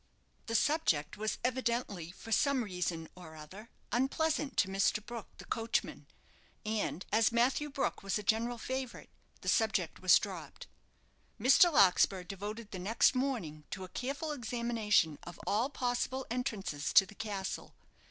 The subject was evidently, for some reason or other, unpleasant to Mr. Brook, the coachman; and as Matthew Brook was a general favourite, the subject was dropped. Mr. Larkspur devoted the next morning to a careful examination of all possible entrances to the castle.